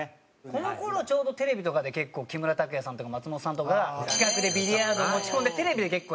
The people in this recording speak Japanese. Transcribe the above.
この頃ちょうどテレビとかで結構木村拓哉さんとか松本さんとかが企画でビリヤードを持ち込んでテレビで結構やってたんですよ